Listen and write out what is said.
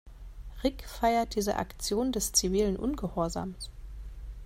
Rick feiert diese Aktion des zivilen Ungehorsams.